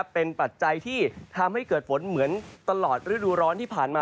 เป็นปัจจัยที่ทำให้เกิดฝนเหมือนตลอดฤดูร้อนที่ผ่านมา